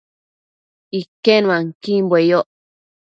Iquenuanquimbue yoc